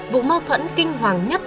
vụ mâu thuẫn kinh hoàng nhất